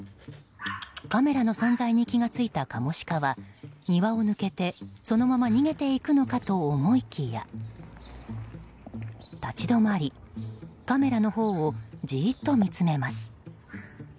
カメラの存在に気付いたカモシカは庭を抜けてそのまま逃げていくのかと思いきや立ち止まり、カメラのほうをじーっと見つめます。